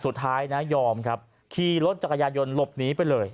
สุดท้ายนะยอมครับขี่รถจักรยายนต์หลบหนีไปเลย